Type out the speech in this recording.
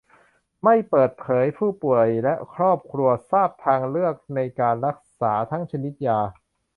ไม่เปิดเผย ผู้ป่วย และ ครอบครัว ทราบทางเลือกในการรักษา ทั้งชนิดยา